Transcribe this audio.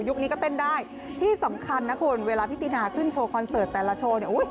นี้ก็เต้นได้ที่สำคัญนะคุณเวลาพี่ตินาขึ้นโชว์คอนเสิร์ตแต่ละโชว์เนี่ย